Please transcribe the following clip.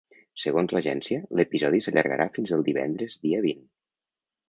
Segons l’agència, l’episodi s’allargarà fins el divendres dia vint.